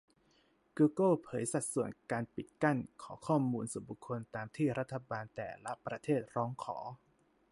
กูเกิลเผยสัดส่วนการปิดกั้น-ขอข้อมูลส่วนบุคคลตามที่รัฐบาลแต่ละประเทศร้องขอ